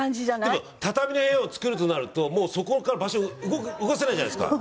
でも畳の部屋を作るとなるともうそこから場所を動かせないじゃないですか。